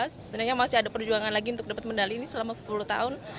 sebenarnya masih ada perjuangan lagi untuk dapat medali ini selama sepuluh tahun